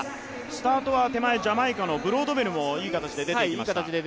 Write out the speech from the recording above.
スタートは手前ジャマイカのブロードベルも出ました。